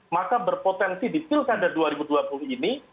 maka berpotensi di pilkada dua ribu dua puluh ini